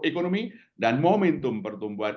ekonomi dan momentum pertumbuhan